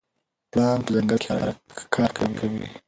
پړانګ په ځنګل کې ښکار کوي.